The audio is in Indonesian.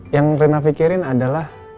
yang rena fikirin adalah